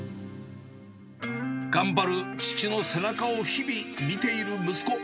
頑張る父の背中を日々、見ている息子。